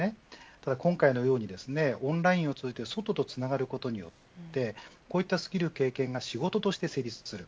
今回のようにオンラインを通じて外とつながることによってスキルや経験が仕事として成立する。